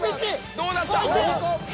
どうなった？